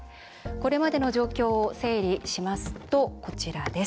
これまでの状況を整理しますとこちらです。